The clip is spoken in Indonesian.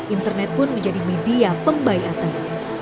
internet pun menjadi media pembaik atasnya